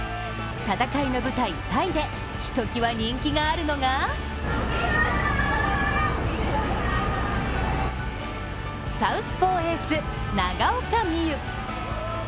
戦いの舞台、タイでひときわ人気があるのがサウスポーエース、長岡望悠。